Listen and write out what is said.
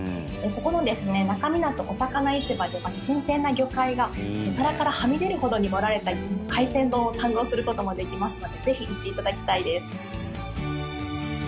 ここの那珂湊おさかな市場では新鮮な魚介がお皿からはみ出るほどに盛られた海鮮丼を堪能することもできますのでぜひ行っていただきたいです。